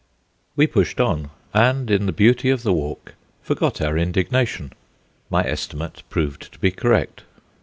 We pushed on, and in the beauty of the walk forgot our indignation. My estimate proved to be correct.